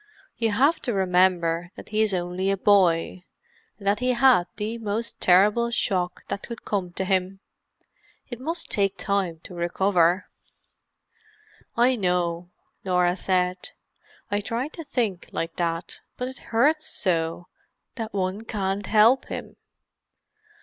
You have to remember that he is only a boy, and that he had the most terrible shock that could come to him. It must take time to recover." "I know," Norah said. "I tried to think like that—but it hurts so, that one can't help him.